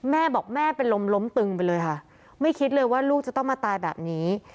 แม่บอกแม่เป็นลมล้มตึงไปเลยค่ะไม่คิดเลยว่าลูกจะต้องมาตายแบบนี้